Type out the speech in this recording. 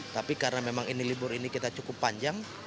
tapi karena memang ini libur ini kita cukup panjang